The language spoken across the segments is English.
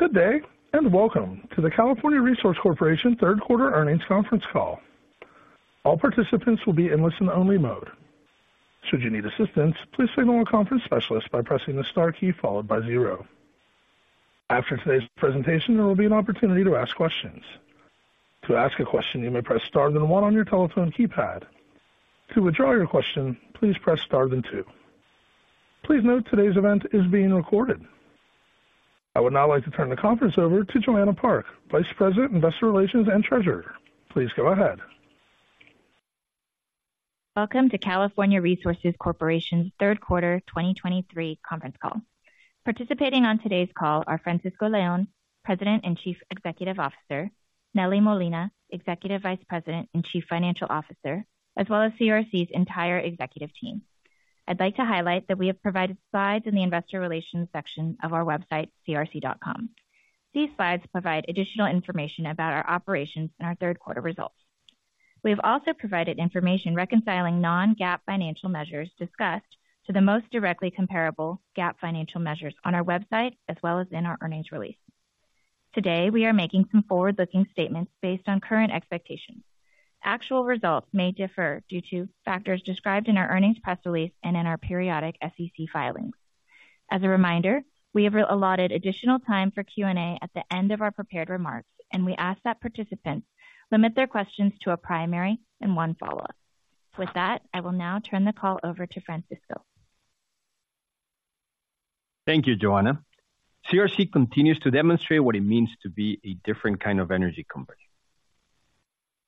Good day, and welcome to the California Resources Corporation Q3 Earnings Conference Call. All participants will be in listen-only mode. Should you need assistance, please signal a conference specialist by pressing the star key followed by zero. After today's presentation, there will be an opportunity to ask questions. To ask a question, you may press Star then one on your telephone keypad. To withdraw your question, please press Star then two. Please note today's event is being recorded. I would now like to turn the conference over to Joanna Park, Vice President, Investor Relations and Treasurer. Please go ahead. Welcome to California Resources Corporation's Q3 2023 conference call. Participating on today's call are Francisco Leon, President and Chief Executive Officer, Nelly Molina, Executive Vice President and Chief Financial Officer, as well as CRC's entire executive team. I'd like to highlight that we have provided slides in the investor relations section of our website, crc.com. These slides provide additional information about our operations and our Q3 results. We have also provided information reconciling non-GAAP financial measures discussed to the most directly comparable GAAP financial measures on our website, as well as in our earnings release. Today, we are making some forward-looking statements based on current expectations. Actual results may differ due to factors described in our earnings press release and in our periodic SEC filings. As a reminder, we have allotted additional time for Q&A at the end of our prepared remarks, and we ask that participants limit their questions to a primary and one follow-up. With that, I will now turn the call over to Francisco. Thank you, Joanna. CRC continues to demonstrate what it means to be a different kind of energy company.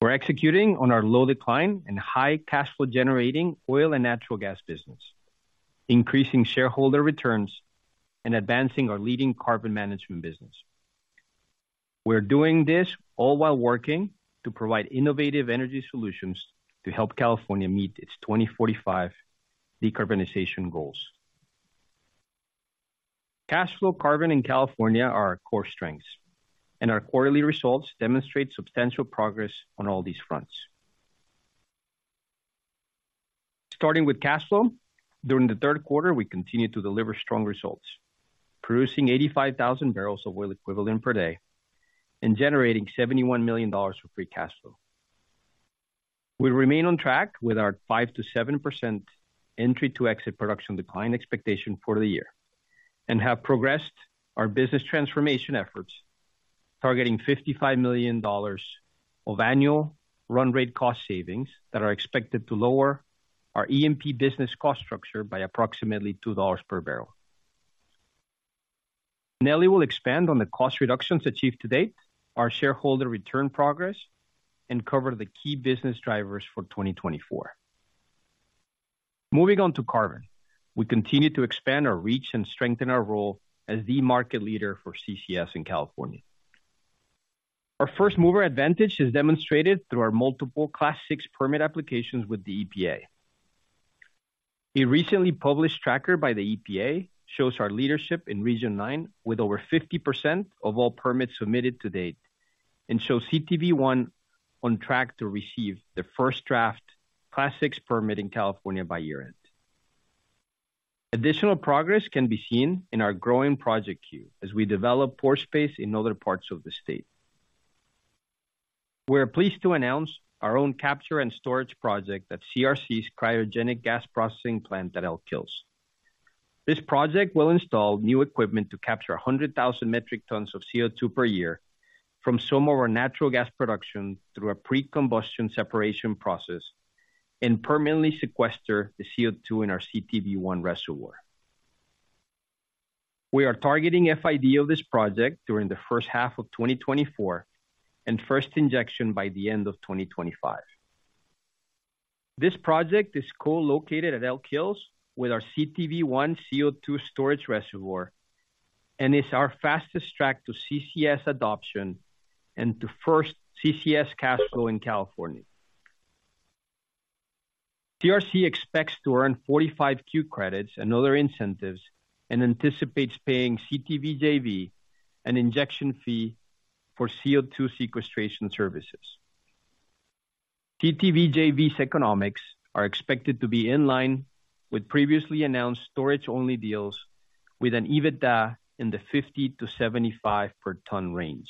We're executing on our low decline and high cash flow-generating oil and natural gas business, increasing shareholder returns and advancing our leading carbon management business. We're doing this all while working to provide innovative energy solutions to help California meet its 2045 decarbonization goals. Cash flow, carbon, and California are our core strengths, and our quarterly results demonstrate substantial progress on all these fronts. Starting with cash flow, during the Q3, we continued to deliver strong results, producing 85,000 barrels of oil equivalent per day and generating $71 million for free cash flow. We remain on track with our 5%-7% entry-to-exit production decline expectation for the year and have progressed our business transformation efforts, targeting $55 million of annual run rate cost savings that are expected to lower our E&P business cost structure by approximately $2 per barrel. Nelly will expand on the cost reductions achieved to date, our shareholder return progress, and cover the key business drivers for 2024. Moving on to carbon. We continue to expand our reach and strengthen our role as the market leader for CCS in California. Our first mover advantage is demonstrated through our multiple Class VI permit applications with the EPA. A recently published tracker by the EPA shows our leadership in Region nine, with over 50% of all permits submitted to date, and shows CTV I on track to receive the first draft Class VI permit in California by year-end. Additional progress can be seen in our growing project queue as we develop pore space in other parts of the state. We are pleased to announce our own capture and storage project at CRC's cryogenic gas processing plant at Elk Hills. This project will install new equipment to capture 100,000 metric tons of CO2 per year from some of our natural gas production through a pre-combustion separation process and permanently sequester the CO2 in our CTV I reservoir. We are targeting FID of this project during the first half of 2024 and first injection by the end of 2025. This project is co-located at Elk Hills with our CTV I CO2 storage reservoir and is our fastest track to CCS adoption and to first CCS cash flow in California. CRC expects to earn 45Q credits and other incentives and anticipates paying CTV JV an injection fee for CO2 sequestration services. CTV JV's economics are expected to be in line with previously announced storage-only deals with an EBITDA in the $50-$75 per ton range.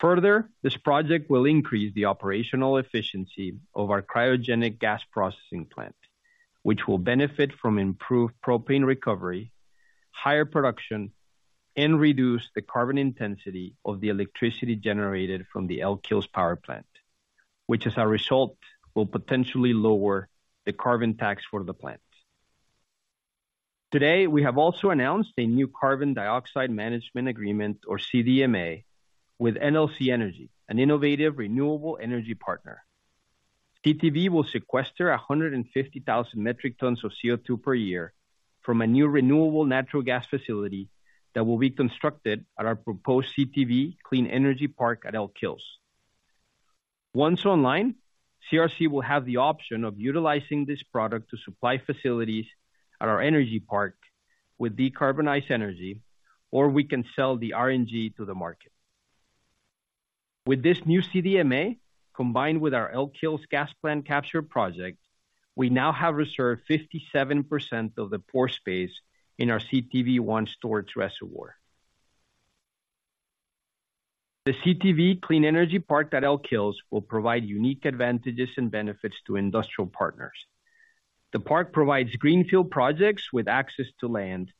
Further, this project will increase the operational efficiency of our cryogenic gas processing plant, which will benefit from improved propane recovery, higher production, and reduce the carbon intensity of the electricity generated from the Elk Hills Power Plant, which, as a result, will potentially lower the carbon tax for the plant. Today, we have also announced a new carbon dioxide management agreement, or CDMA, with NLC Energy, an innovative renewable energy partner. CTV will sequester 150,000 metric tons of CO2 per year from a new renewable natural gas facility that will be constructed at our proposed CTV Clean Energy Park at Elk Hills. Once online, CRC will have the option of utilizing this product to supply facilities at our energy park with decarbonized energy, or we can sell the RNG to the market. With this new CDMA, combined with our Elk Hills gas plant capture project, we now have reserved 57% of the pore space in our CTV I storage reservoir. The CTV Clean Energy Park at Elk Hills will provide unique advantages and benefits to industrial partners. The park provides greenfield projects with access to land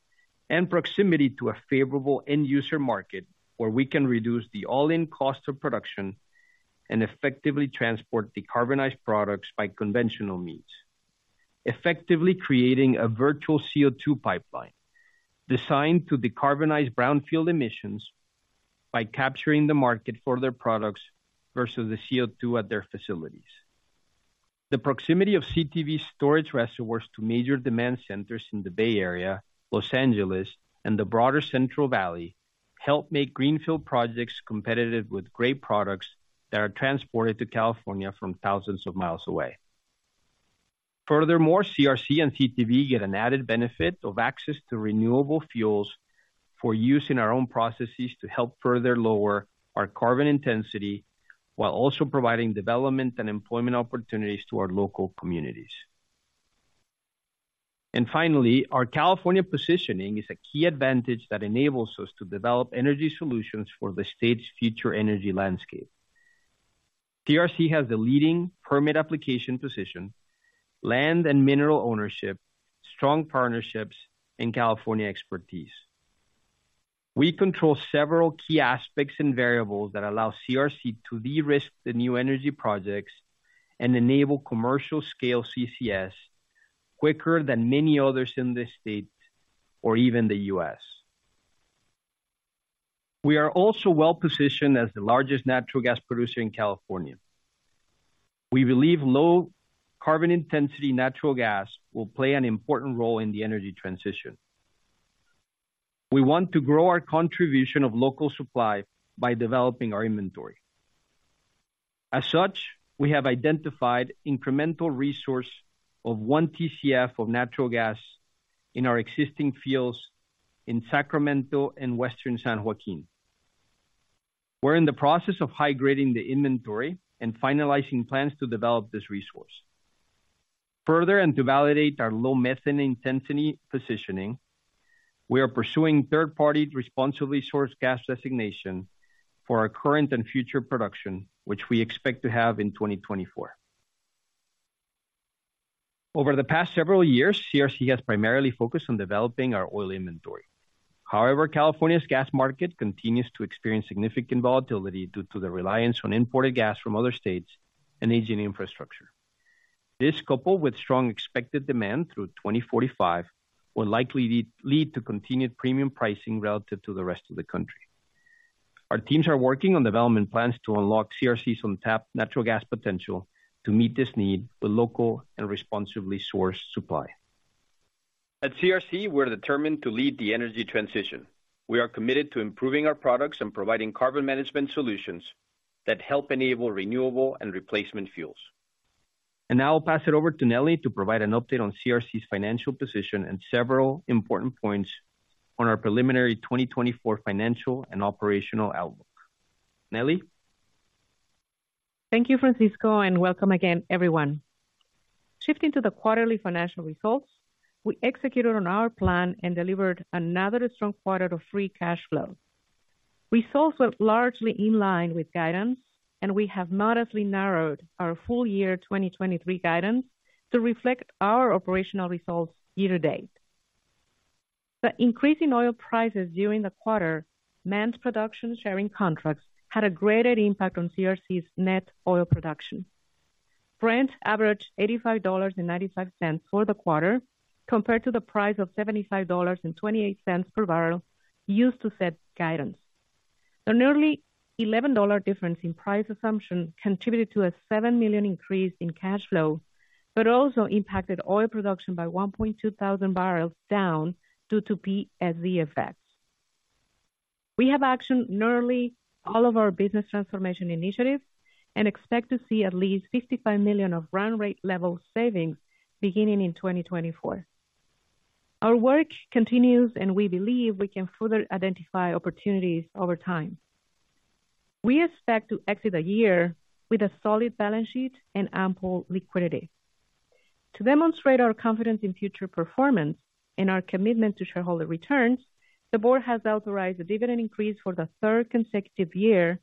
and proximity to a favorable end user market, where we can reduce the all-in cost of production and effectively transport decarbonized products by conventional means. Effectively creating a virtual CO₂ pipeline, designed to decarbonize brownfield emissions by capturing the market for their products versus the CO₂ at their facilities. The proximity of CTV storage reservoirs to major demand centers in the Bay Area, Los Angeles, and the broader Central Valley, help make greenfield projects competitive with great products that are transported to California from thousands of miles away. Furthermore, CRC and CTV get an added benefit of access to renewable fuels for use in our own processes to help further lower our carbon intensity, while also providing development and employment opportunities to our local communities. And finally, our California positioning is a key advantage that enables us to develop energy solutions for the state's future energy landscape. CRC has the leading permit application position, land and mineral ownership, strong partnerships, and California expertise. We control several key aspects and variables that allow CRC to de-risk the new energy projects and enable commercial scale CCS quicker than many others in this state or even the U.S. We are also well positioned as the largest natural gas producer in California. We believe low carbon intensity natural gas will play an important role in the energy transition. We want to grow our contribution of local supply by developing our inventory. As such, we have identified incremental resource of 1 TCF of natural gas in our existing fields in Sacramento and Western San Joaquin. We're in the process of high-grading the inventory and finalizing plans to develop this resource. Further, and to validate our low methane intensity positioning, we are pursuing third-party responsibly sourced gas designation for our current and future production, which we expect to have in 2024. Over the past several years, CRC has primarily focused on developing our oil inventory. However, California's gas market continues to experience significant volatility due to the reliance on imported gas from other states and aging infrastructure. This, coupled with strong expected demand through 2045, will likely lead to continued premium pricing relative to the rest of the country. Our teams are working on development plans to unlock CRC's on-tap natural gas potential to meet this need with local and responsibly sourced supply. At CRC, we're determined to lead the energy transition. We are committed to improving our products and providing carbon management solutions that help enable renewable and replacement fuels. Now I'll pass it over to Nelly to provide an update on CRC's financial position and several important points on our preliminary 2024 financial and operational outlook. Nelly? Thank you, Francisco, and welcome again, everyone. Shifting to the quarterly financial results, we executed on our plan and delivered another strong quarter of free cash flow. Results were largely in line with guidance, and we have modestly narrowed our full year 2023 guidance to reflect our operational results year to date. The increasing oil prices during the quarter, managed production sharing contracts, had a greater impact on CRC's net oil production. Brent averaged $85.95 for the quarter, compared to the price of $75.28 per barrel, used to set guidance. The nearly $11 difference in price assumption contributed to a $7 million increase in cash flow, but also impacted oil production by 1,200 barrels down due to PSC effects. We have actioned nearly all of our business transformation initiatives and expect to see at least $55 million of run rate level savings beginning in 2024. Our work continues, and we believe we can further identify opportunities over time. We expect to exit the year with a solid balance sheet and ample liquidity. To demonstrate our confidence in future performance and our commitment to shareholder returns, the board has authorized a dividend increase for the third consecutive year.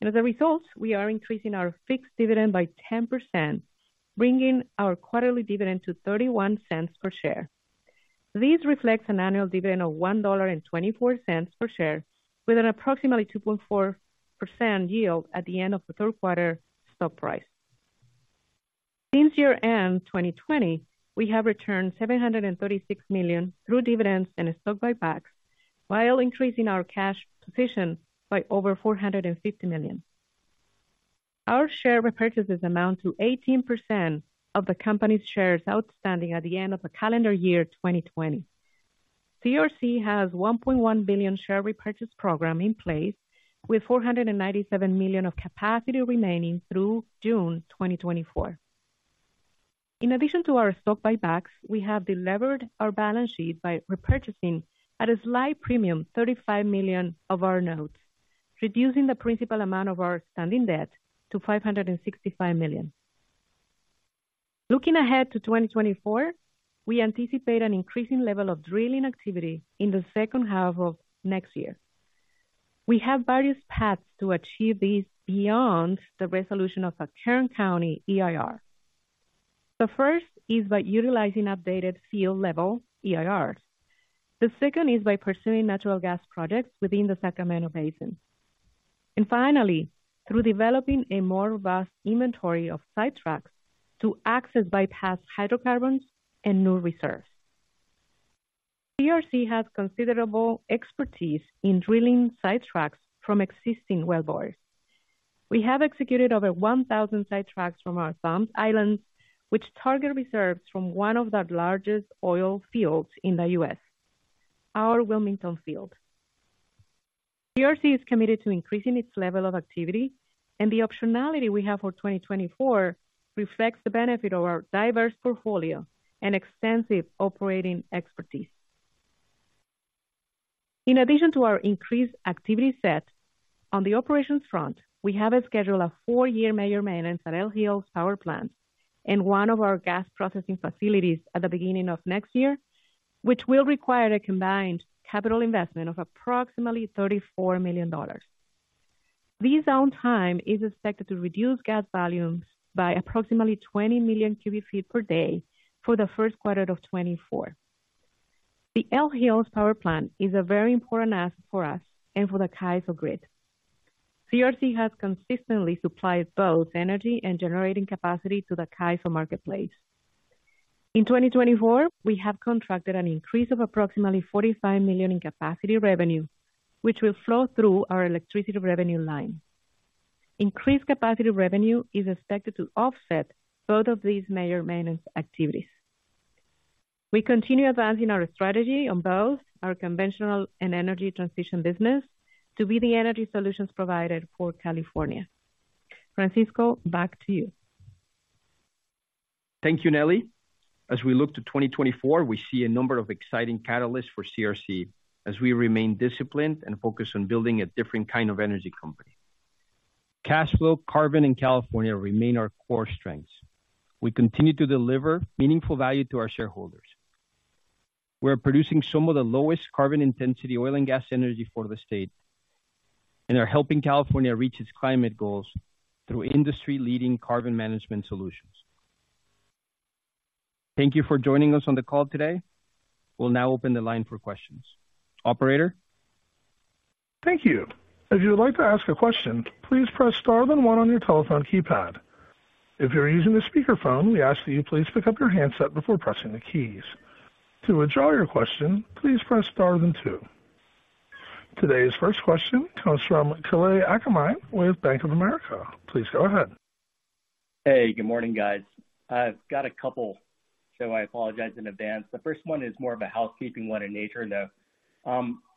And as a result, we are increasing our fixed dividend by 10%, bringing our quarterly dividend to $0.31 per share. This reflects an annual dividend of $1.24 per share, with an approximately 2.4% yield at the end of the Q3 stock price. Since year-end 2020, we have returned $736 million through dividends and stock buybacks, while increasing our cash position by over $450 million. Our share repurchases amount to 18% of the company's shares outstanding at the end of the calendar year 2020. CRC has $1.1 billion share repurchase program in place, with $497 million of capacity remaining through June 2024.... In addition to our stock buybacks, we have delevered our balance sheet by repurchasing at a slight premium, $35 million of our notes, reducing the principal amount of our outstanding debt to $565 million. Looking ahead to 2024, we anticipate an increasing level of drilling activity in the second half of next year. We have various paths to achieve this beyond the resolution of our Kern County EIR. The first is by utilizing updated field-level EIRs. The second is by pursuing natural gas projects within the Sacramento Basin, and finally, through developing a more vast inventory of sidetracks to access bypass hydrocarbons and new reserves. CRC has considerable expertise in drilling sidetracks from existing wellbores. We have executed over 1,000 sidetracks from our THUMS Islands, which target reserves from one of the largest oil fields in the U.S., our Wilmington field. CRC is committed to increasing its level of activity, and the optionality we have for 2024 reflects the benefit of our diverse portfolio and extensive operating expertise. In addition to our increased activity set, on the operations front, we have a schedule of four-year major maintenance at Elk Hills Power Plant and one of our gas processing facilities at the beginning of next year, which will require a combined capital investment of approximately $34 million. This downtime is expected to reduce gas volumes by approximately 20 million cubic feet per day for the Q1 of 2024. The Elk Hills Power Plant is a very important asset for us and for the CAISO grid. CRC has consistently supplied both energy and generating capacity to the CAISO marketplace. In 2024, we have contracted an increase of approximately $45 million in capacity revenue, which will flow through our electricity revenue line. Increased capacity revenue is expected to offset both of these major maintenance activities. We continue advancing our strategy on both our conventional and energy transition business to be the energy solutions provider for California. Francisco, back to you. Thank you, Nelly. As we look to 2024, we see a number of exciting catalysts for CRC as we remain disciplined and focused on building a different kind of energy company. Cash flow, carbon, and California remain our core strengths. We continue to deliver meaningful value to our shareholders. We're producing some of the lowest carbon intensity oil and gas energy for the state, and are helping California reach its climate goals through industry-leading carbon management solutions. Thank you for joining us on the call today. We'll now open the line for questions. Operator? Thank you. If you would like to ask a question, please press star then one on your telephone keypad. If you're using a speakerphone, we ask that you please pick up your handset before pressing the keys. To withdraw your question, please press star then two. Today's first question comes from Kalei Akamine with Bank of America. Please go ahead. Hey, good morning, guys. I've got a couple, so I apologize in advance. The first one is more of a housekeeping one in nature, though.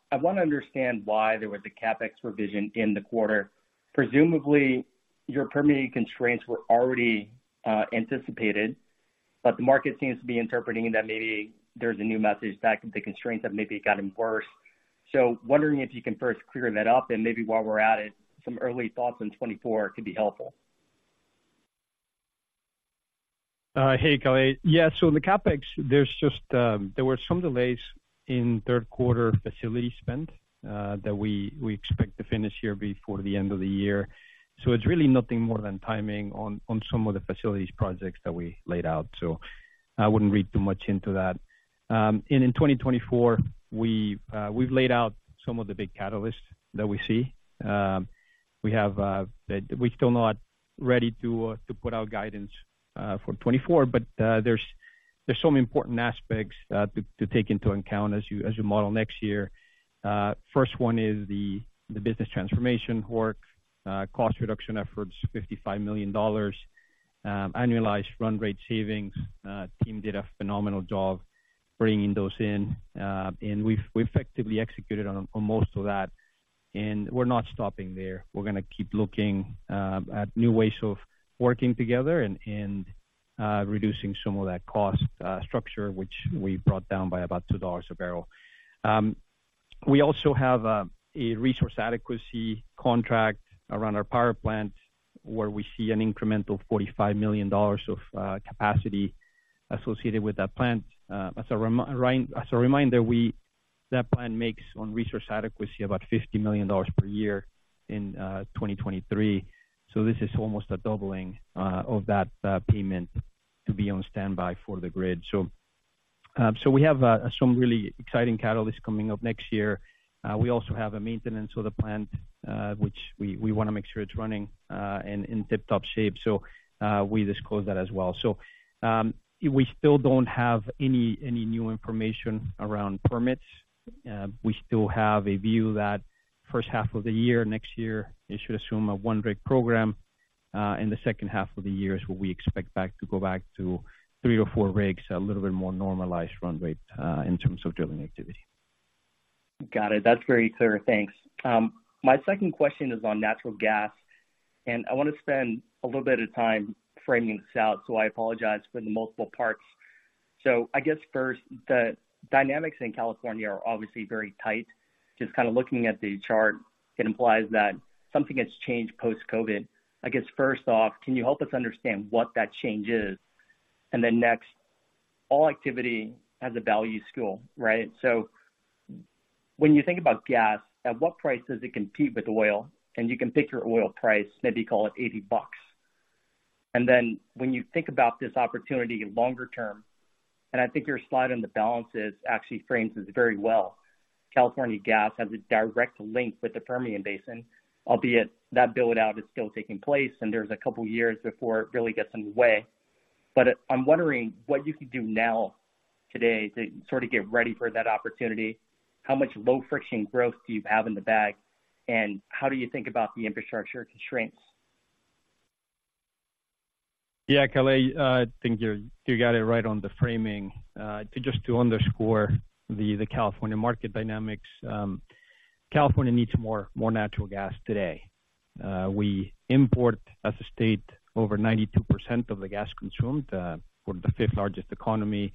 I want to understand why there was a CapEx revision in the quarter. Presumably, your permitting constraints were already anticipated, but the market seems to be interpreting that maybe there's a new message back that the constraints have maybe gotten worse. So wondering if you can first clear that up, and maybe while we're at it, some early thoughts on 2024 could be helpful. Hey, Kale. Yeah, so in the CapEx, there's just, there were some delays in Q3 facility spend, that we, we expect to finish here before the end of the year. So it's really nothing more than timing on, on some of the facilities projects that we laid out. So I wouldn't read too much into that. And in 2024, we've, we've laid out some of the big catalysts that we see. We have, that we're still not ready to, to put out guidance, for 2024, but, there's, there's some important aspects, to, to take into account as you, as you model next year. First one is the, the business transformation work, cost reduction efforts, $55 million, annualized run rate savings. Team did a phenomenal job bringing those in, and we've effectively executed on most of that, and we're not stopping there. We're going to keep looking at new ways of working together and reducing some of that cost structure, which we brought down by about $2 a barrel. We also have a resource adequacy contract around our power plant, where we see an incremental $45 million of capacity associated with that plant. As a reminder, that plant makes on resource adequacy about $50 million per year in 2023. So this is almost a doubling of that payment to be on standby for the grid. So we have some really exciting catalysts coming up next year. We also have a maintenance of the plant, which we want to make sure it's running in tip-top shape. So, we disclose that as well. So, we still don't have any new information around permits. We still have a view that first half of the year, next year, you should assume a 1 rig program. In the second half of the year is where we expect to go back to three or four rigs, a little bit more normalized run rate in terms of drilling activity.... Got it. That's very clear. Thanks. My second question is on natural gas, and I want to spend a little bit of time framing this out, so I apologize for the multiple parts. So I guess first, the dynamics in California are obviously very tight. Just kind of looking at the chart, it implies that something has changed post-COVID. I guess first off, can you help us understand what that change is? And then next, all activity has a value stack, right? So when you think about gas, at what price does it compete with oil? And you can pick your oil price, maybe call it $80. And then when you think about this opportunity longer term, and I think your slide on the balances actually frames this very well. California Gas has a direct link with the Permian Basin, albeit that build-out is still taking place and there's a couple of years before it really gets in the way. But I'm wondering what you could do now, today, to sort of get ready for that opportunity. How much low friction growth do you have in the bag, and how do you think about the infrastructure constraints? Yeah, Kalei, I think you got it right on the framing. Just to underscore the California market dynamics, California needs more natural gas today. We import, as a state, over 92% of the gas consumed. We're the fifth largest economy,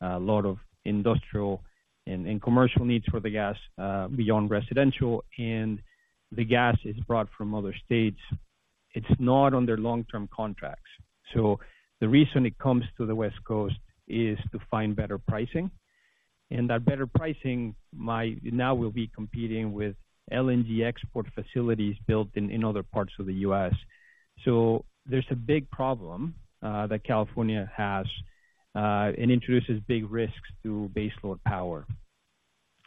a lot of industrial and commercial needs for the gas, beyond residential, and the gas is brought from other states. It's not under long-term contracts. So the reason it comes to the West Coast is to find better pricing, and that better pricing might now will be competing with LNG export facilities built in other parts of the U.S. So there's a big problem that California has, and introduces big risks to baseload power.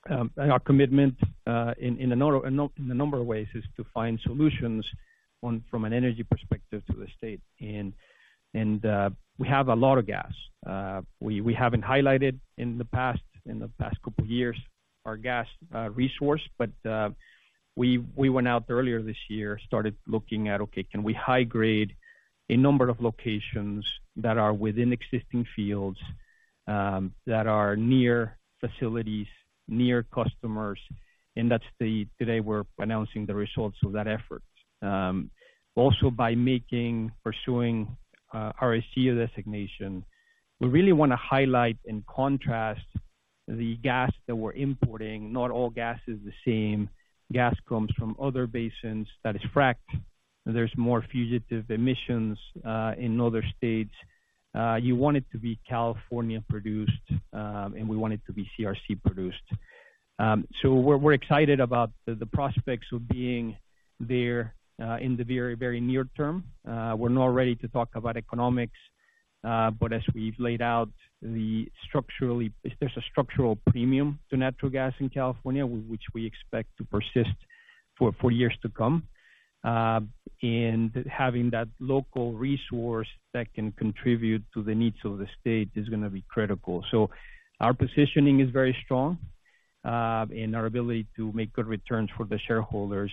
And our commitment, in a number of ways, is to find solutions on, from an energy perspective to the state. We have a lot of gas. We haven't highlighted in the past, in the past couple of years, our gas resource, but we went out earlier this year, started looking at, okay, can we high grade a number of locations that are within existing fields, that are near facilities, near customers? And that's the— today, we're announcing the results of that effort. Also by making, pursuing RSG designation, we really want to highlight and contrast the gas that we're importing. Not all gas is the same. Gas comes from other basins that is fracked, and there's more fugitive emissions in other states. You want it to be California produced, and we want it to be CRC produced. So we're excited about the prospects of being there in the very, very near term. We're not ready to talk about economics, but as we've laid out, structurally, there's a structural premium to natural gas in California, which we expect to persist for years to come. And having that local resource that can contribute to the needs of the state is going to be critical. So our positioning is very strong, and our ability to make good returns for the shareholders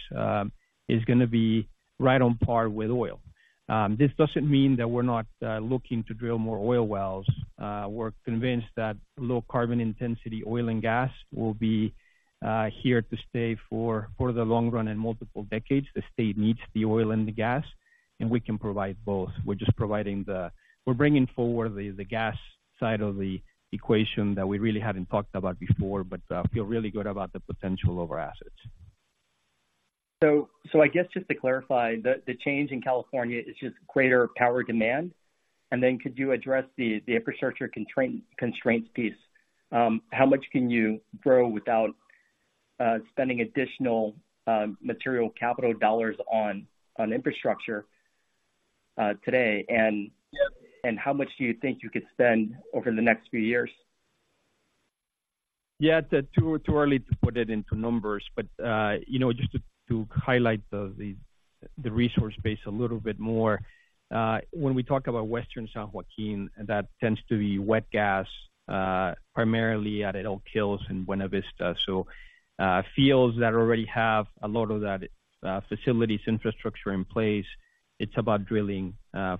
is going to be right on par with oil. This doesn't mean that we're not looking to drill more oil wells. We're convinced that low carbon intensity oil and gas will be here to stay for the long run and multiple decades. The state needs the oil and the gas, and we can provide both. We're bringing forward the gas side of the equation that we really haven't talked about before, but feel really good about the potential of our assets. So, I guess just to clarify, the change in California is just greater power demand. And then could you address the infrastructure constraints piece? How much can you grow without spending additional material capital dollars on infrastructure today? And how much do you think you could spend over the next few years? Yeah, it's too early to put it into numbers, but you know, just to highlight the resource base a little bit more, when we talk about Western San Joaquin, that tends to be wet gas, primarily at Elk Hills in Buena Vista. So fields that already have a lot of that facilities, infrastructure in place, it's about drilling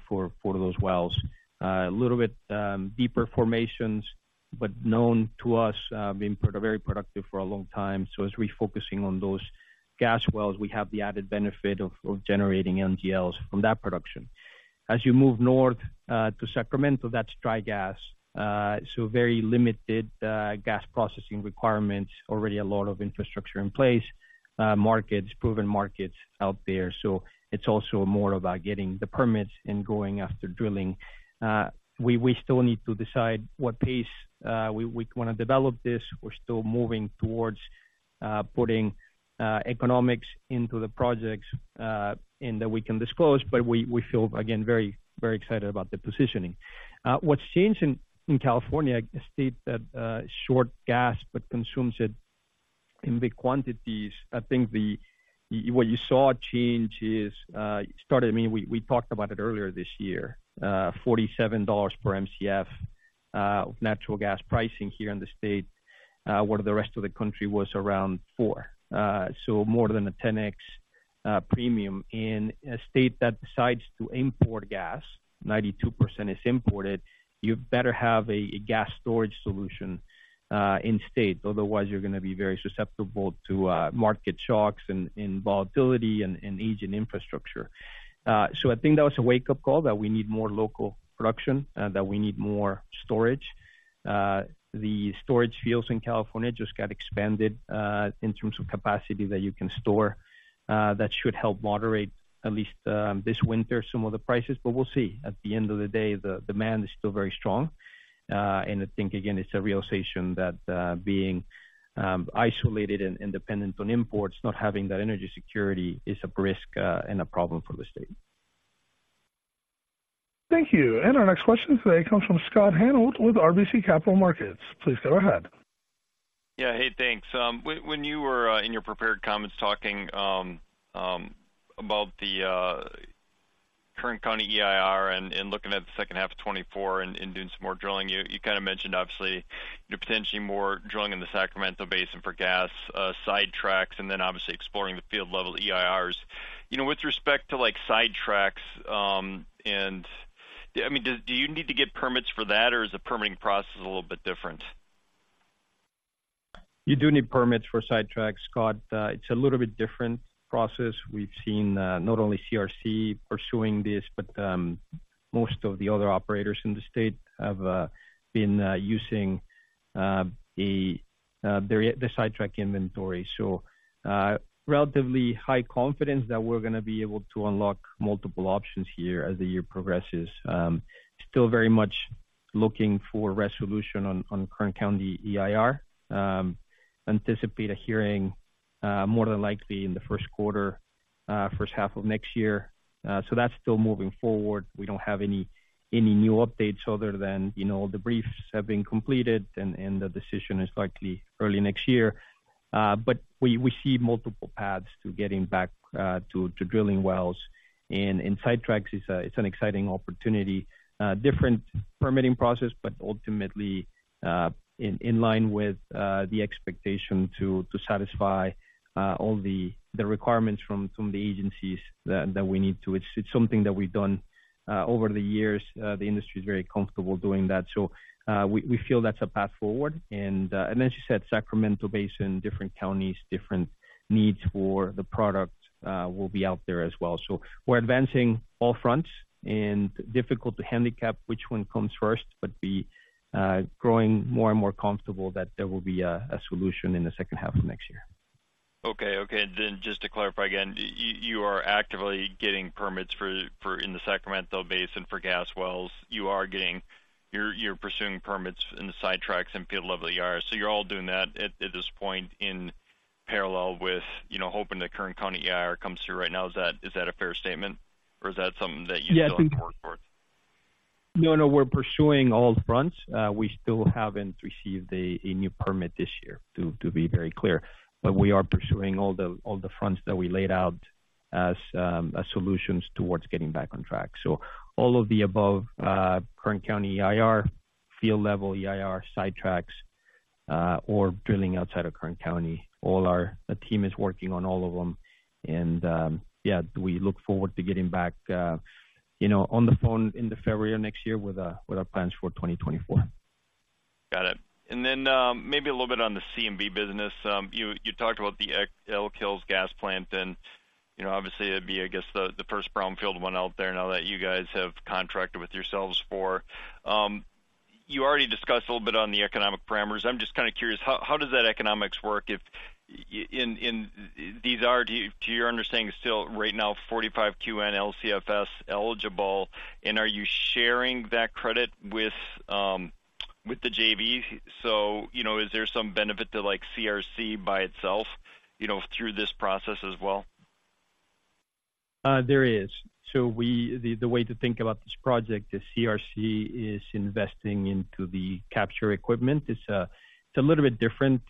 for those wells. A little bit deeper formations, but known to us being very productive for a long time. So as we're focusing on those gas wells, we have the added benefit of generating NGLs from that production. As you move north to Sacramento, that's dry gas. So very limited gas processing requirements, already a lot of infrastructure in place, markets, proven markets out there. So it's also more about getting the permits and going after drilling. We still need to decide what pace we want to develop this. We're still moving towards putting economics into the projects and that we can disclose, but we feel, again, very, very excited about the positioning. What's changed in California, a state that short gas, but consumes it in big quantities. I think the... What you saw a change is, it started, I mean, we talked about it earlier this year, $47 per Mcf natural gas pricing here in the state, where the rest of the country was around 4. So more than a 10X-... Premium in a state that decides to import gas, 92% is imported, you better have a gas storage solution in state. Otherwise, you're going to be very susceptible to market shocks and volatility and aging infrastructure. So I think that was a wake-up call that we need more local production, that we need more storage. The storage fields in California just got expanded in terms of capacity that you can store, that should help moderate, at least, this winter, some of the prices, but we'll see. At the end of the day, the demand is still very strong. And I think, again, it's a realization that being isolated and independent on imports, not having that energy security is a risk and a problem for the state. Thank you. Our next question today comes from Scott Hanold with RBC Capital Markets. Please go ahead. Yeah. Hey, thanks. When you were in your prepared comments talking about the current county EIR and looking at the second half of 2024 and doing some more drilling, you kind of mentioned obviously, potentially more drilling in the Sacramento Basin for gas sidetracks, and then obviously exploring the field level EIRs. You know, with respect to, like, sidetracks, and, I mean, do you need to get permits for that, or is the permitting process a little bit different? You do need permits for sidetracks, Scott. It's a little bit different process. We've seen not only CRC pursuing this, but most of the other operators in the state have been using the sidetrack inventory. So, relatively high confidence that we're going to be able to unlock multiple options here as the year progresses. Still very much looking for resolution on Kern County EIR. Anticipate a hearing more than likely in the Q1 first half of next year. So that's still moving forward. We don't have any new updates other than, you know, the briefs have been completed, and the decision is likely early next year. But we see multiple paths to getting back to drilling wells. And in sidetracks, it's an exciting opportunity, different permitting process, but ultimately, in line with the expectation to satisfy all the requirements from the agencies that we need to. It's something that we've done over the years. The industry is very comfortable doing that. So, we feel that's a path forward. And as you said, Sacramento Basin, different counties, different needs for the product, will be out there as well. So we're advancing all fronts and difficult to handicap which one comes first, but growing more and more comfortable that there will be a solution in the second half of next year. Okay. Okay, then just to clarify again, you are actively getting permits for in the Sacramento Basin for gas wells. You are getting... You are pursuing permits in the sidetracks and field-level EIRs. So you are all doing that at this point in parallel with, you know, hoping the current county EIR comes through right now. Is that a fair statement, or is that something that you still work for? No, no, we're pursuing all fronts. We still haven't received a new permit this year, to be very clear. But we are pursuing all the fronts that we laid out as solutions towards getting back on track. So all of the above, current county EIR, field level EIR, sidetracks, or drilling outside of current county, the team is working on all of them. And yeah, we look forward to getting back, you know, on the phone in the February of next year with our plans for 2024. Got it. And then, maybe a little bit on the CMB business. You talked about the Elk Hills gas plant, and you know, obviously, it'd be, I guess, the first brownfield one out there now that you guys have contracted with yourselves for. You already discussed a little bit on the economic parameters. I'm just kind of curious, how does that economics work if in these are to your understanding still right now 45Q and LCFS eligible, and are you sharing that credit with the JV? So, you know, is there some benefit to, like, CRC by itself, you know, through this process as well? There is. We, the way to think about this project is CRC is investing into the capture equipment. It's a little bit different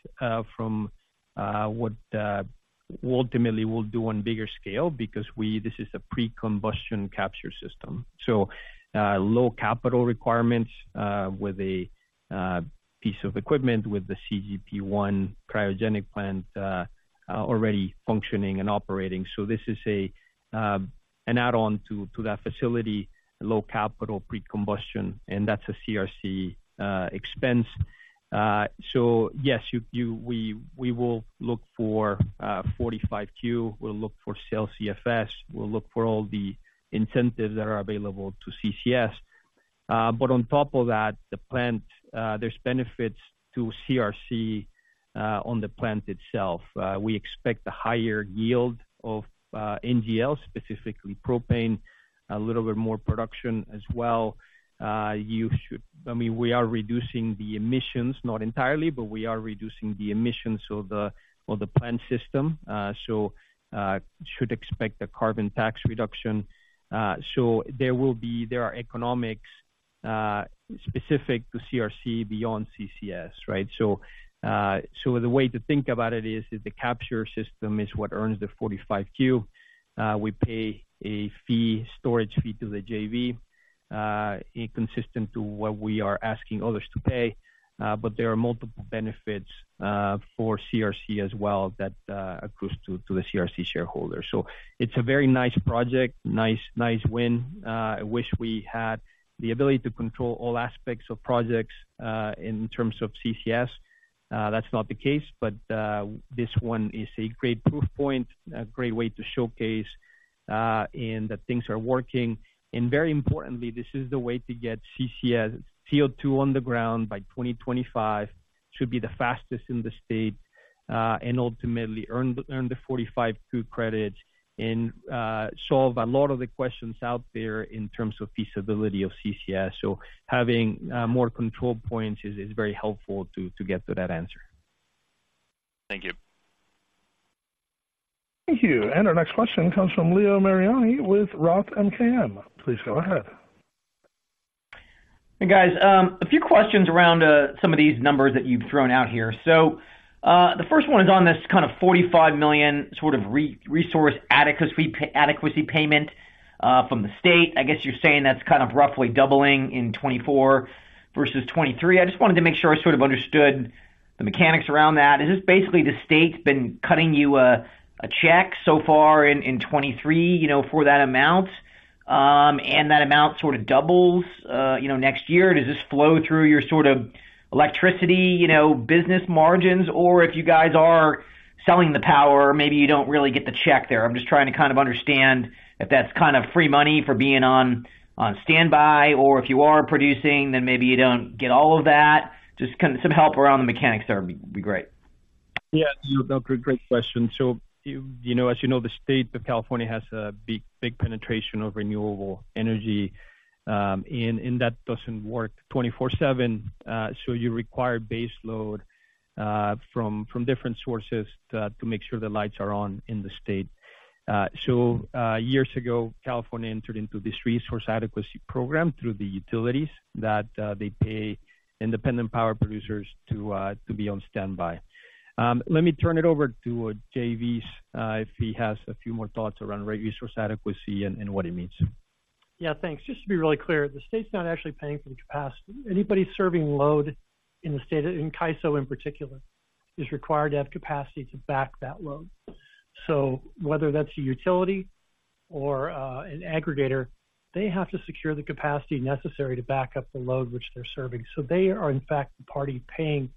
from what we ultimately will do on bigger scale because we, this is a pre-combustion capture system. Low capital requirements with a piece of equipment, with the CGP I cryogenic plant, already functioning and operating. This is an add-on to that facility, low capital pre-combustion, and that's a CRC expense. Yes, you, we will look for 45Q, we'll look for sale CFS, we'll look for all the incentives that are available to CCS. On top of that, the plant, there's benefits to CRC on the plant itself. We expect a higher yield of NGL, specifically propane, a little bit more production as well. You should—I mean, we are reducing the emissions, not entirely, but we are reducing the emissions of the plant system, so should expect a carbon tax reduction. So there will be—there are economics specific to CRC beyond CCS, right? So, so the way to think about it is the capture system is what earns the 45Q. We pay a fee, storage fee to the JV, inconsistent to what we are asking others to pay, but there are multiple benefits for CRC as well that accrues to the CRC shareholder. So it's a very nice project, nice, nice win. I wish we had the ability to control all aspects of projects in terms of CCS. That's not the case, but this one is a great proof point, a great way to showcase and that things are working. And very importantly, this is the way to get CCS, CO2 on the ground by 2025. Should be the fastest in the state and ultimately earn the 45Q credits and solve a lot of the questions out there in terms of feasibility of CCS. So having more control points is very helpful to get to that answer. Thank you. Thank you. Our next question comes from Leo Mariani with Roth MKM. Please go ahead. Hey, guys, a few questions around some of these numbers that you've thrown out here. So, the first one is on this kind of $45 million sort of Resource Adequacy payment from the state. I guess you're saying that's kind of roughly doubling in 2024 versus 2023. I just wanted to make sure I sort of understood the mechanics around that. Is this basically the state's been cutting you a check so far in 2023, you know, for that amount, and that amount sort of doubles next year? Does this flow through your sort of electricity, you know, business margins, or if you guys are selling the power, maybe you don't really get the check there. I'm just trying to kind of understand if that's kind of free money for being on standby, or if you are producing, then maybe you don't get all of that. Just kind of some help around the mechanics there would be great. Yeah, Leo, great, great question. So you know, as you know, the state of California has a big, big penetration of renewable energy, and that doesn't work 24/7. So you require base load from different sources to make sure the lights are on in the state. Years ago, California entered into this resource adequacy program through the utilities that they pay independent power producers to be on standby. Let me turn it over to Jay Bys if he has a few more thoughts around resource adequacy and what it means. Yeah, thanks. Just to be really clear, the state's not actually paying for the capacity. Anybody serving load in the state, in CAISO in particular, is required to have capacity to back that load. So whether that's a utility or an aggregator, they have to secure the capacity necessary to back up the load which they're serving. So they are, in fact, the party paying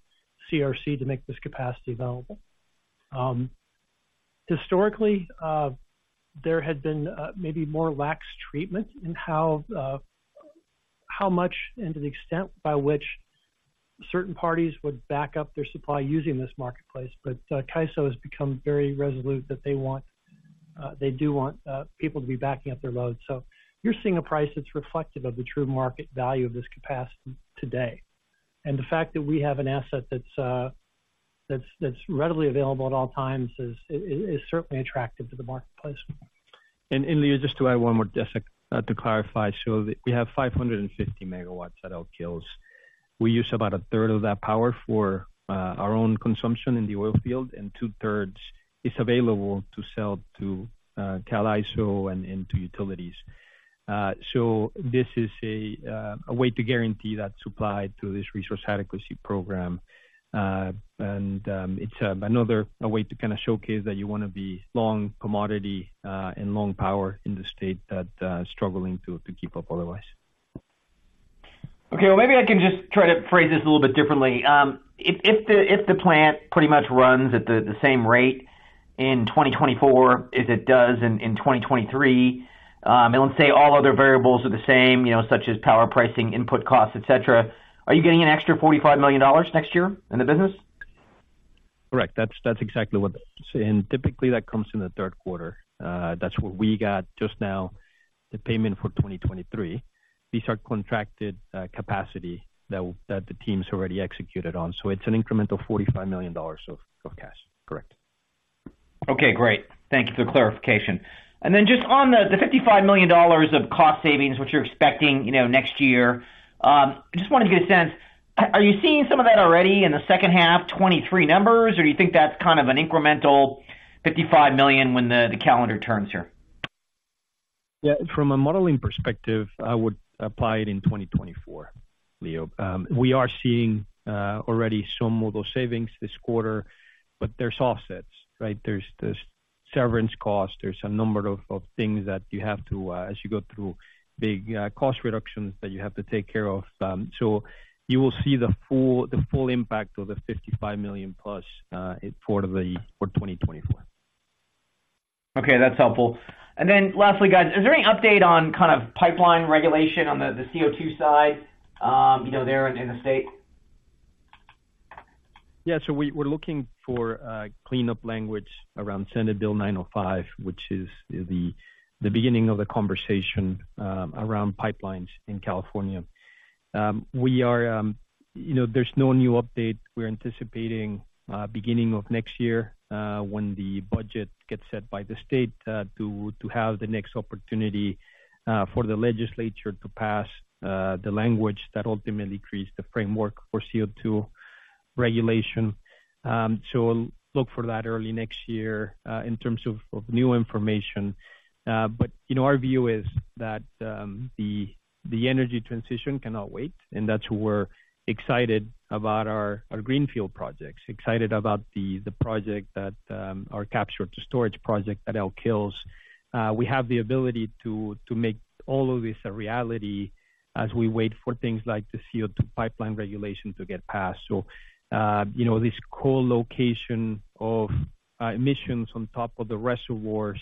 CRC to make this capacity available. Historically, there had been maybe more lax treatment in how much and to the extent by which certain parties would back up their supply using this marketplace, but CAISO has become very resolute that they want, they do want, people to be backing up their loads. So you're seeing a price that's reflective of the true market value of this capacity today. The fact that we have an asset that's readily available at all times is certainly attractive to the marketplace. And, Leo, just to add one more to clarify. So we have 550 megawatts at Elk Hills. We use about a third of that power for our own consumption in the oil field, and two-thirds is available to sell to CAISO and to utilities. So this is a way to guarantee that supply through this Resource Adequacy program. And, it's another way to kind of showcase that you want to be long commodity and long power in the state that struggling to keep up otherwise. Okay, well, maybe I can just try to phrase this a little bit differently. If the plant pretty much runs at the same rate in 2024 as it does in 2023, and let's say all other variables are the same, you know, such as power pricing, input costs, et cetera, are you getting an extra $45 million next year in the business? Correct. That's, that's exactly what—and typically that comes in the Q3. That's what we got just now, the payment for 2023. These are contracted capacity that, that the team's already executed on. So it's an incremental $45 million of, of cash. Correct. Okay, great. Thank you for the clarification. And then just on the $55 million of cost savings, which you're expecting, you know, next year, I just wanted to get a sense, are you seeing some of that already in the second half 2023 numbers, or do you think that's kind of an incremental $55 million when the calendar turns here? Yeah, from a modeling perspective, I would apply it in 2024, Leo. We are seeing already some of those savings this quarter, but there's offsets, right? There's severance costs, there's a number of things that you have to as you go through big cost reductions that you have to take care of. So you will see the full impact of the $55 million plus for 2024. Okay, that's helpful. And then lastly, guys, is there any update on kind of pipeline regulation on the CO2 side, you know, there in the state? Yeah, so we're looking for a cleanup language around Senate Bill 905, which is the beginning of the conversation around pipelines in California. We are, you know, there's no new update. We're anticipating beginning of next year when the budget gets set by the state to have the next opportunity for the legislature to pass the language that ultimately creates the framework for CO2 regulation. So look for that early next year in terms of new information. But, you know, our view is that the energy transition cannot wait, and that's why we're excited about our greenfield projects, excited about the project that our capture to storage project at Elk Hills. We have the ability to make all of this a reality as we wait for things like the CO2 pipeline regulation to get passed. So, you know, this co-location of emissions on top of the reservoirs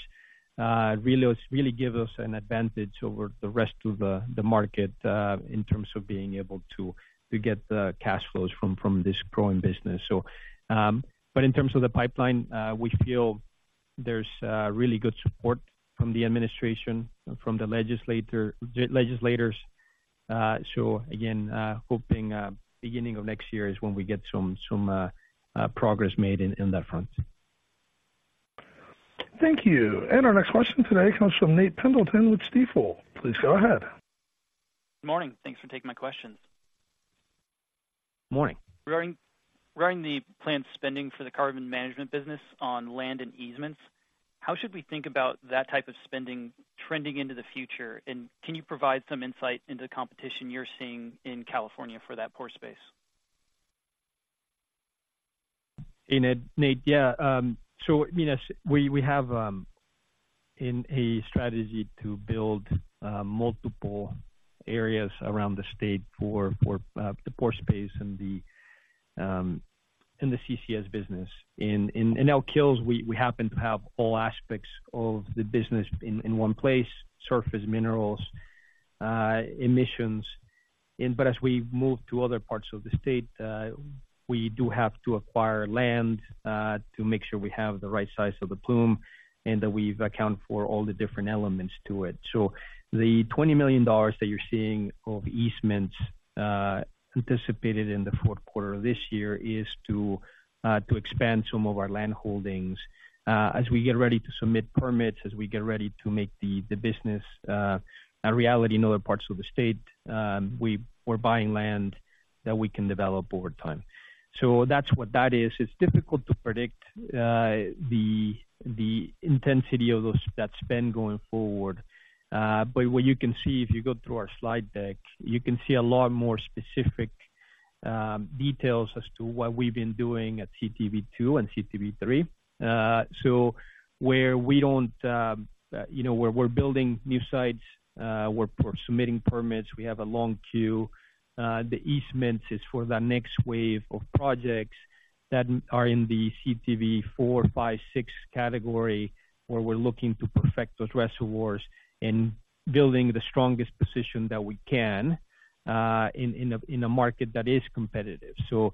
really gives us an advantage over the rest of the market in terms of being able to get the cash flows from this growing business. So, but in terms of the pipeline, we feel there's really good support from the administration, from the legislators. So again, hoping beginning of next year is when we get some progress made in that front. Thank you. And our next question today comes from Nate Pendleton with Stifel. Please go ahead. Good morning. Thanks for taking my questions. Morning. Regarding the planned spending for the carbon management business on land and easements, how should we think about that type of spending trending into the future? And can you provide some insight into the competition you're seeing in California for that pore space? Hey, Nate. Yeah, so, I mean, as we have in a strategy to build multiple areas around the state for the pore space and the CCS business. In Elk Hills, we happen to have all aspects of the business in one place: surface, minerals, emissions. But as we move to other parts of the state, we do have to acquire land to make sure we have the right size of the plume and that we've accounted for all the different elements to it. So the $20 million that you're seeing of easements anticipated in the Q4 of this year is to expand some of our land holdings. As we get ready to submit permits, as we get ready to make the business a reality in other parts of the state, we're buying land that we can develop over time. So that's what that is. It's difficult to predict the intensity of that spend going forward. But what you can see, if you go through our slide deck, you can see a lot more specific details as to what we've been doing at CTV II and CTV III. So where we don't, you know, where we're building new sites, we're submitting permits. We have a long queue. The easements is for the next wave of projects that are in the CTV IV, V, VI category, where we're looking to perfect those reservoirs and building the strongest position that we can in a market that is competitive. So,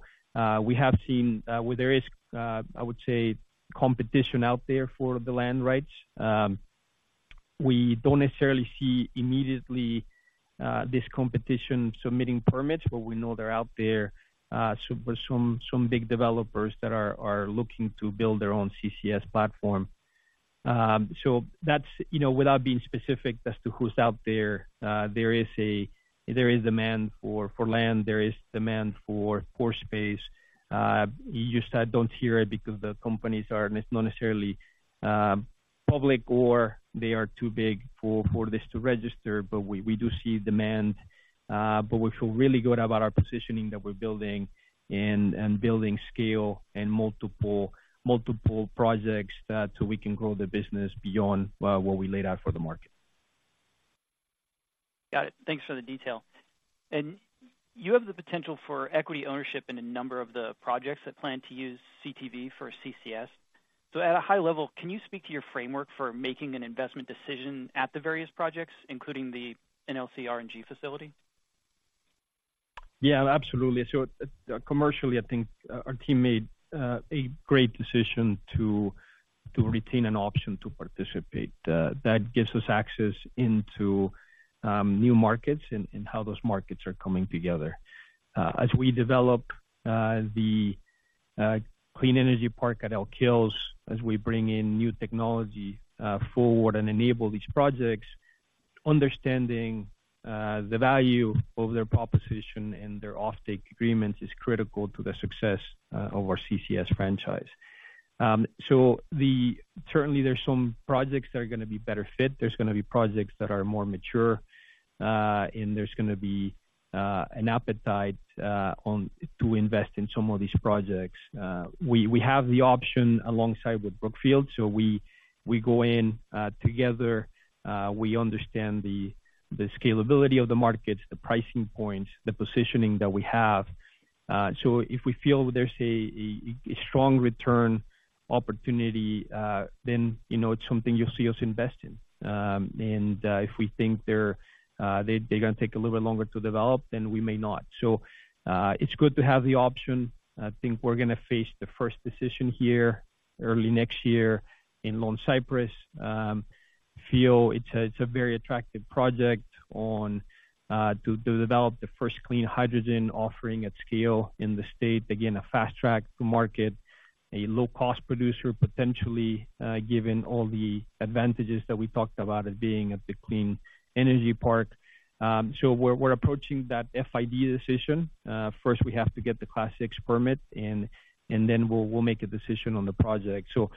we have seen where there is, I would say, competition out there for the land rights. We don't necessarily see immediately this competition submitting permits, but we know they're out there, so some big developers that are looking to build their own CCS platform. So that's, you know, without being specific as to who's out there, there is demand for land, there is demand for Pore Space. You just don't hear it because the companies are not necessarily public or they are too big for, for this to register. But we, we do see demand, but we feel really good about our positioning that we're building and, and building scale and multiple, multiple projects, so we can grow the business beyond what we laid out for the market. Got it. Thanks for the detail. You have the potential for equity ownership in a number of the projects that plan to use CTV for CCS. At a high level, can you speak to your framework for making an investment decision at the various projects, including the NLC RNG facility? Yeah, absolutely. So commercially, I think, our team made a great decision to retain an option to participate. That gives us access into new markets and how those markets are coming together. As we develop the clean energy park at Elk Hills, as we bring in new technology forward and enable these projects, understanding the value of their proposition and their offtake agreements is critical to the success of our CCS franchise. So certainly there are some projects that are going to be better fit. There's going to be projects that are more mature, and there's going to be an appetite to invest in some of these projects. We have the option alongside with Brookfield, so we go in together. We understand the scalability of the markets, the pricing points, the positioning that we have. So if we feel there's a strong return opportunity, then, you know, it's something you'll see us invest in. And if we think they're going to take a little bit longer to develop, then we may not. So it's good to have the option. I think we're going to face the first decision here early next year in Lone Cypress. We feel it's a very attractive project to develop the first clean hydrogen offering at scale in the state. Again, a fast-track to market, a low-cost producer, potentially, given all the advantages that we talked about it being at the Clean Energy Park. So we're approaching that FID decision. First, we have to get the Class VI permit, and then we'll make a decision on the project. So,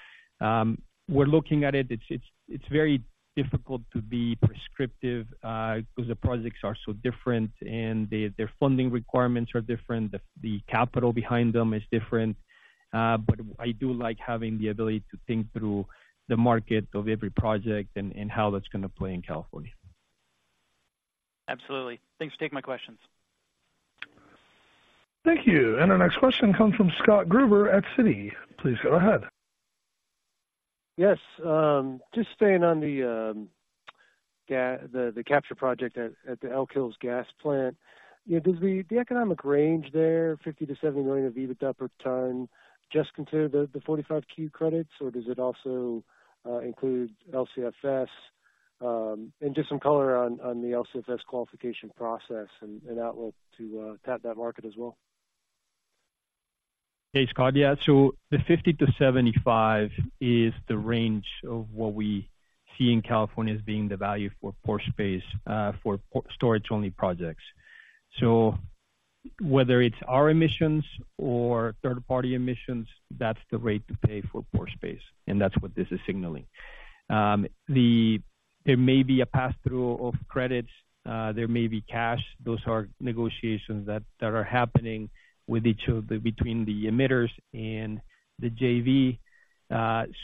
we're looking at it. It's very difficult to be prescriptive because the projects are so different, and their funding requirements are different. The capital behind them is different. But I do like having the ability to think through the market of every project and how that's going to play in California. Absolutely. Thanks for taking my questions. Thank you. And our next question comes from Scott Gruber at Citi. Please go ahead. Yes, just staying on the capture project at the Elk Hills gas plant. You know, does the economic range there, 50-70 million of EBITDA per ton, just consider the 45Q credits, or does it also include LCFS? And just some color on the LCFS qualification process and outlook to tap that market as well. Thanks, Scott. Yeah, so the 50-75 is the range of what we see in California as being the value for pore space for storage-only projects. So whether it's our emissions or third-party emissions, that's the rate to pay for pore space, and that's what this is signalling. There may be a passthrough of credits, there may be cash. Those are negotiations that are happening between the emitters and the JV.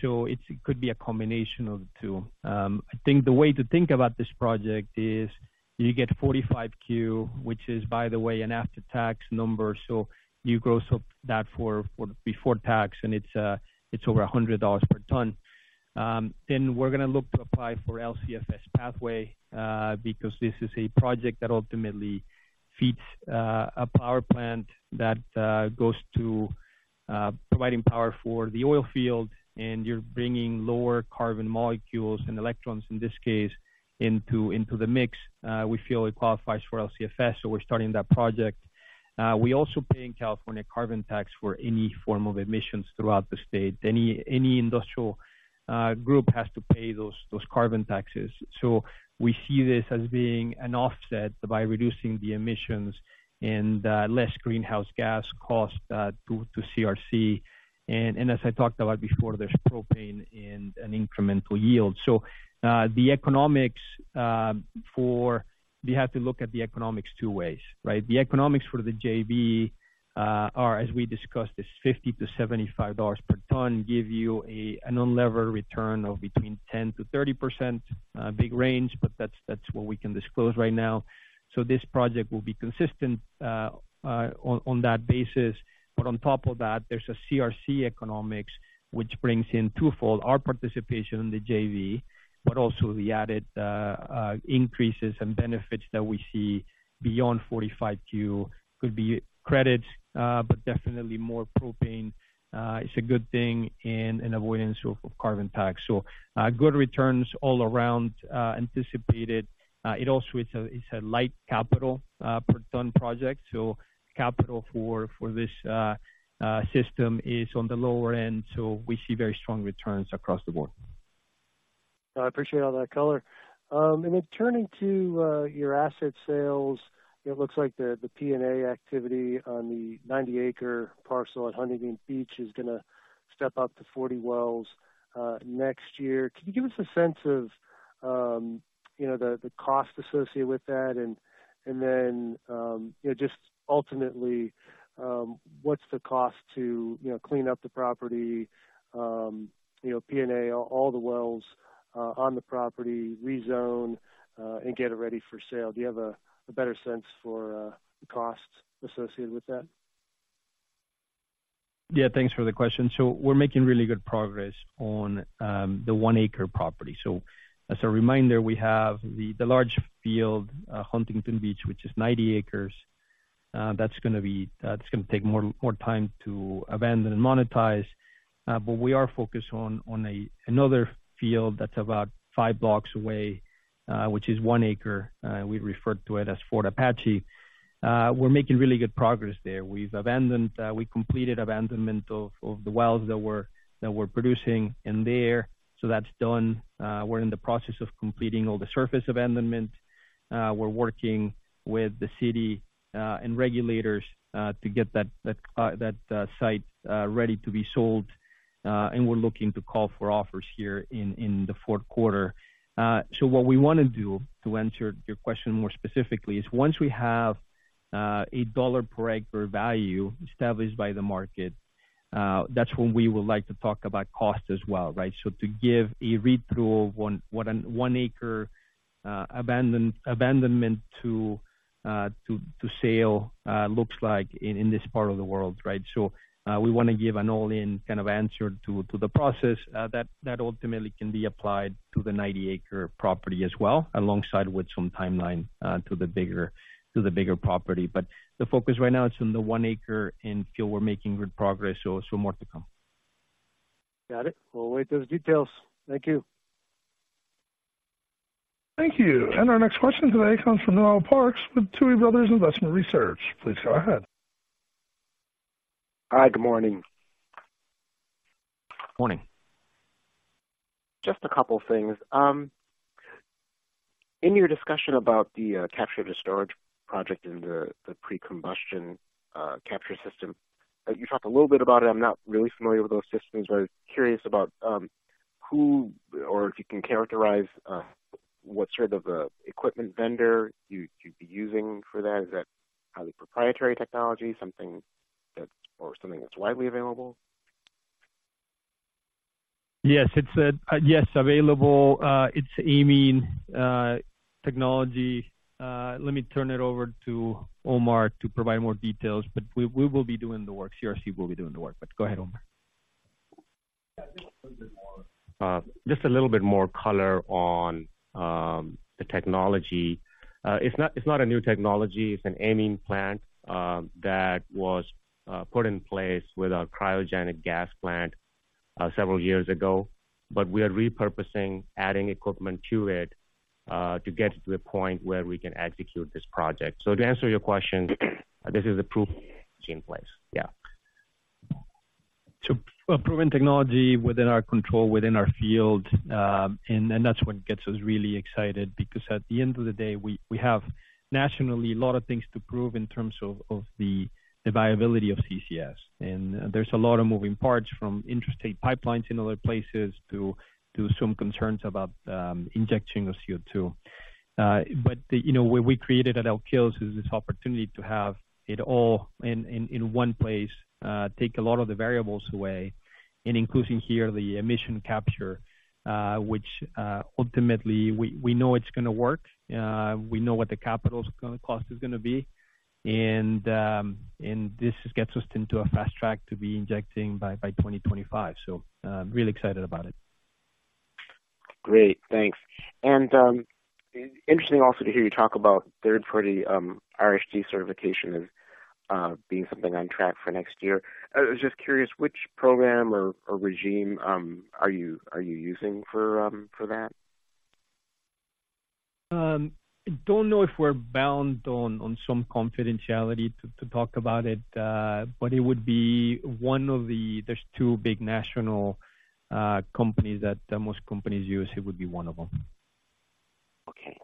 So it could be a combination of the two. I think the way to think about this project is you get 45Q, which is, by the way, an after-tax number. So you gross up that for before tax, and it's over $100 per ton. Then we're going to look to apply for LCFS pathway, because this is a project that ultimately feeds a power plant that goes to providing power for the oil field, and you're bringing lower carbon molecules and electrons, in this case, into the mix. We feel it qualifies for LCFS, so we're starting that project. We also pay in California carbon tax for any form of emissions throughout the state. Any industrial group has to pay those carbon taxes. So we see this as being an offset by reducing the emissions and less greenhouse gas cost to CRC. And as I talked about before, there's propane and an incremental yield. So, the economics for—we have to look at the economics two ways, right? The economics for the JV are, as we discussed, is $50-$75 per ton, give you an unlevered return of between 10%-30%, big range, but that's what we can disclose right now. So this project will be consistent on that basis. But on top of that, there's a CRC economics, which brings in twofold our participation in the JV, but also the added increases and benefits that we see beyond 45Q. Could be credits, but definitely more propane. It's a good thing and an avoidance of carbon tax. So, good returns all around, anticipated. It also it's a light capital per ton project, so capital for this system is on the lower end, so we see very strong returns across the board. I appreciate all that color. And then turning to your asset sales, it looks like the PNA activity on the 90-acre parcel at Huntington Beach is going to step up to 40 wells next year. Can you give us a sense of, you know, the cost associated with that? And then, you know, just ultimately, what's the cost to, you know, clean up the property, you know, PNA, all the wells on the property, rezone, and get it ready for sale? Do you have a better sense for the costs associated with that? Yeah, thanks for the question. So we're making really good progress on the 1-acre property. So as a reminder, we have the large field, Huntington Beach, which is 90 acres. That's going to be. That's going to take more time to abandon and monetize, but we are focused on a another field that's about 5 blocks away, which is 1 acre. We refer to it as Fort Apache. We're making really good progress there. We've abandoned, we completed abandonment of the wells that were producing in there. So that's done. We're in the process of completing all the surface abandonment. We're working with the city and regulators to get that site ready to be sold, and we're looking to call for offers here in the Q4. So what we want to do, to answer your question more specifically, is once we have a $1 per acre value established by the market, that's when we would like to talk about cost as well, right? So to give a read-through of what a one-acre abandonment to sale looks like in this part of the world, right? So we want to give an all-in kind of answer to the process that ultimately can be applied to the 90-acre property as well, alongside with some timeline to the bigger property. The focus right now is on the one acre, and feel we're making good progress, so more to come. Got it. We'll await those details. Thank you.... Thank you. Our next question today comes from Noel Parks with Tuohy Brothers Investment Research. Please go ahead. Hi, good morning. Morning. Just a couple of things. In your discussion about the capture and storage project and the pre-combustion capture system, you talked a little bit about it. I'm not really familiar with those systems. But curious about who or if you can characterize what sort of equipment vendor you'd be using for that. Is that highly proprietary technology, something that or something that's widely available? Yes, it's yes, available. It's amine technology. Let me turn it over to Omar to provide more details, but we, we will be doing the work. CRC will be doing the work. But go ahead, Omar. Yeah, just a little bit more, just a little bit more color on the technology. It's not, it's not a new technology. It's an amine plant that was put in place with a cryogenic gas plant several years ago. But we are repurposing, adding equipment to it to get to the point where we can execute this project. So to answer your question, this is the proof in place. Yeah. So a proven technology within our control, within our field. And that's what gets us really excited, because at the end of the day, we have nationally a lot of things to prove in terms of the viability of CCS. And there's a lot of moving parts, from interstate pipelines in other places to some concerns about injecting of CO2. But, you know, what we created at Elk Hills is this opportunity to have it all in one place, take a lot of the variables away, and including here the emission capture, which ultimately we know it's going to work. We know what the capital cost is going to be. And this gets us into a fast track to be injecting by 2025. So, really excited about it. Great. Thanks. And, interesting also to hear you talk about third-party RSG certification as being something on track for next year. I was just curious, which program or regime are you using for that? I don't know if we're bound on some confidentiality to talk about it, but it would be one of the... There's two big national companies that most companies use. It would be one of them. Okay.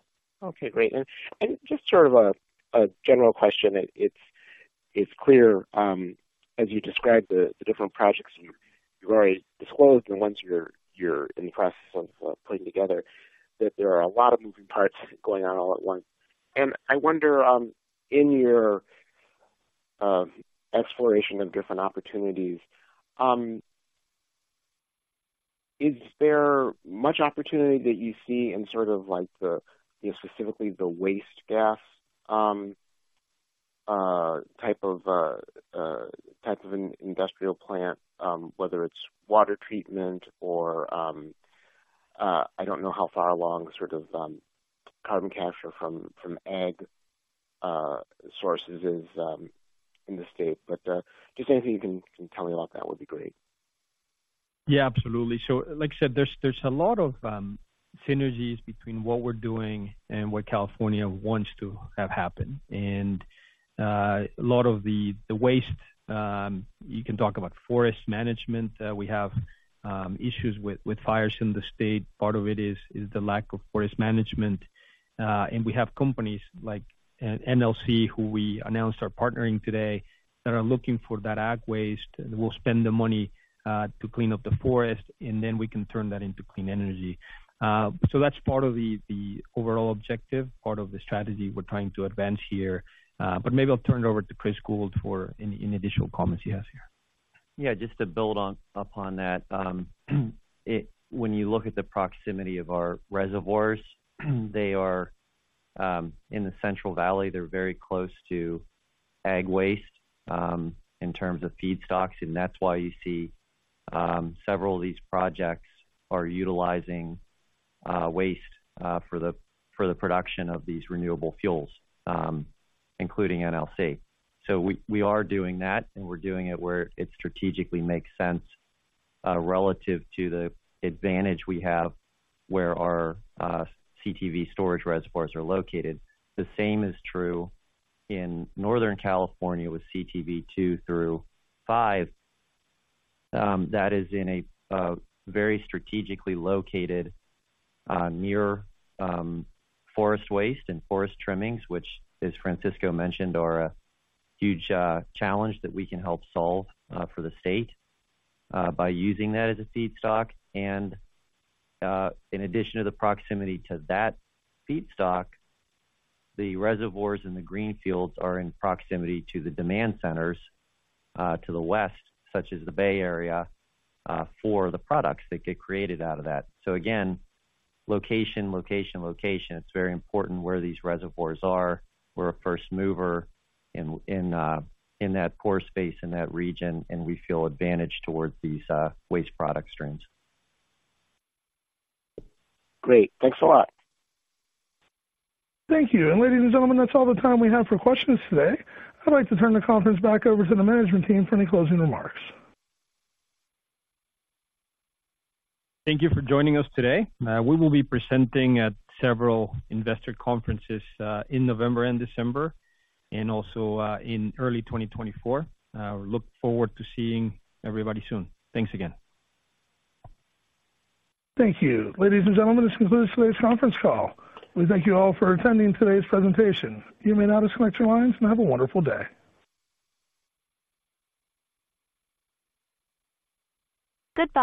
Okay, great. And just sort of a general question. It's clear, as you describe the different projects you've already disclosed and ones you're in the process of putting together, that there are a lot of moving parts going on all at once. And I wonder, in your exploration of different opportunities, is there much opportunity that you see in sort of like the, you know, specifically the waste gas type of industrial plant, whether it's water treatment or, I don't know how far along sort of carbon capture from ag sources is, in the state, but just anything you can tell me about that would be great. Yeah, absolutely. So, like I said, there's a lot of synergies between what we're doing and what California wants to have happen. And a lot of the waste, you can talk about forest management. We have issues with fires in the state. Part of it is the lack of forest management. And we have companies like NLC, who we announced are partnering today, that are looking for that ag waste. We'll spend the money to clean up the forest, and then we can turn that into clean energy. So that's part of the overall objective, part of the strategy we're trying to advance here. But maybe I'll turn it over to Chris Gould for any additional comments he has here. Yeah, just to build on upon that, when you look at the proximity of our reservoirs, they are in the Central Valley. They're very close to ag waste in terms of feedstocks, and that's why you see several of these projects are utilizing waste for the production of these renewable fuels, including NLC. So we are doing that, and we're doing it where it strategically makes sense relative to the advantage we have where our CTV storage reservoirs are located. The same is true in Northern California with CTV 2 through 5. That is in a very strategically located near forest waste and forest trimmings, which, as Francisco mentioned, are a huge challenge that we can help solve for the state by using that as a feedstock. In addition to the proximity to that feedstock, the reservoirs in the greenfields are in proximity to the demand centers to the west, such as the Bay Area, for the products that get created out of that. So again, location, location, location. It's very important where these reservoirs are. We're a first mover in that core space in that region, and we feel advantaged towards these waste product streams. Great. Thanks a lot. Thank you. Ladies and gentlemen, that's all the time we have for questions today. I'd like to turn the conference back over to the management team for any closing remarks. Thank you for joining us today. We will be presenting at several investor conferences in November and December, and also in early 2024. We look forward to seeing everybody soon. Thanks again. Thank you. Ladies and gentlemen, this concludes today's conference call. We thank you all for attending today's presentation. You may now disconnect your lines, and have a wonderful day. Goodbye.